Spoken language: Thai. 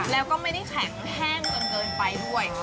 แล้วก็ไม่ได้แข็งแห้งจนเกินไปด้วย